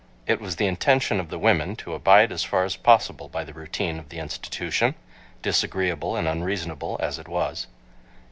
It was the intention of the women to abide as far as possible by the routine of the institution, disagreeable and unreasonable as it was.